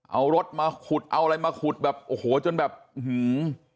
เอารถมาขุดเอาอะไรมาขุดแบบโอ้โหจนแบบอื้อหือ